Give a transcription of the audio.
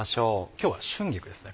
今日は春菊ですね